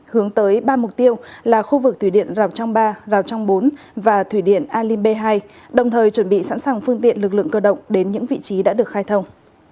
hướng tới ba mục tiêu là khu vực thủy điện rào trang ba rào trang bốn và thủy điện alin b hai đồng thời chuẩn bị sẵn sàng phương tiện lực lượng cơ động đến những vị trí đã được khai thông